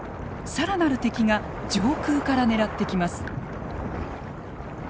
更なる敵が上空から狙ってきます。